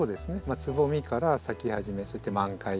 つぼみから咲き始めそして満開